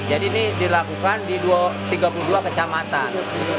jadi ini dilakukan di tiga puluh dua kecamatan